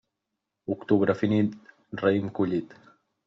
Octubre finit, raïm collit.